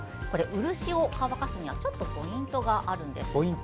漆を乾かすにはちょっとポイントがあるんです。